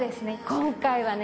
今回はね